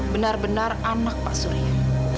benar benar anak pak surya